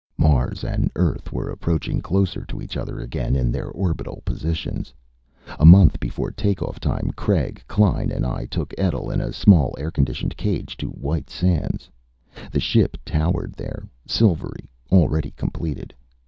Mars and Earth were approaching closer to each other again in their orbital positions. A month before takeoff time, Craig, Klein and I took Etl, in a small air conditioned cage, to White Sands. The ship towered there, silvery, already completed.